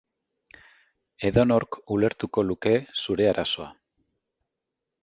Edonork ulertuko luke zure arazoa.